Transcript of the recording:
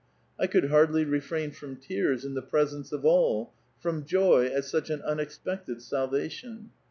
I could hardly refrain from tears, in the presence of all, from joy at such an unexpected salvation.